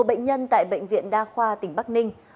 bệnh nhân tại bệnh viện đa khoa tỉnh bắc ninh